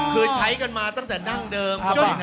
คือใช้กันมาตั้งแต่นั่งเดิมสะบี่นั้น